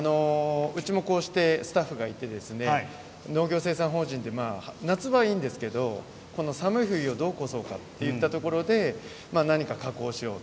スタッフがいて農業生産法人で夏場はいいんですけれど寒い冬をどう越そうかといったところで何か加工しようと。